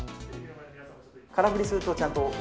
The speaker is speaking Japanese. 空振りすると、ちゃんと。